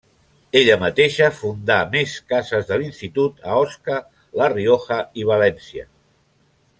Ella mateixa fundà més cases de l'institut a Osca, la Rioja i València.